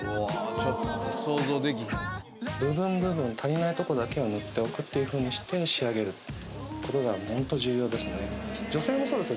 ちょっと想像できへんわ部分部分足りないとこだけを塗っておくっていうふうにして仕上げることがホント重要ですね女性もそうですよ